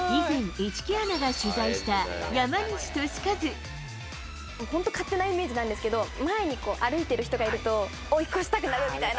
以前、本当勝手なイメージなんですけど、前にこう、歩いてる人がいると、追い越したくなるみたいな。